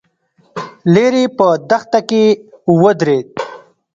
ليرې په دښته کې ودرېد.